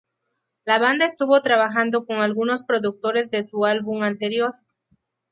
La banda estuvo trabajando con algunos productores de su álbum anterior.